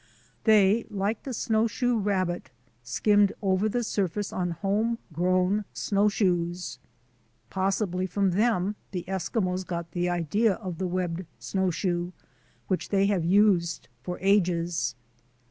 They, like the snowshoe rabbit, skimmed over the surface on home grown showshoes. Possibly from them the Eskimos got the idea for the webbed snowshoe, which they have used for ages.